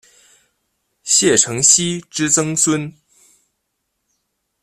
谢承锡之曾孙。